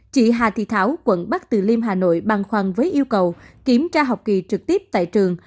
chị hà thị thảo quận bắc từ liêm hà nội băng khoăn với yêu cầu kiểm tra học kỳ trực tiếp tại trường